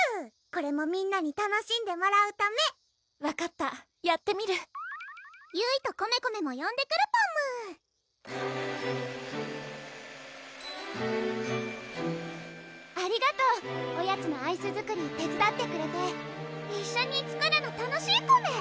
これもみんなに楽しんでもらうため分かったやってみるゆいとコメコメもよんでくるパムありがとうおやつのアイス作り手つだってくれて一緒に作るの楽しいコメ！